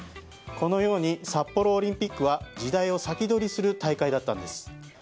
このように札幌オリンピックは時代を先取りする大会だったんです。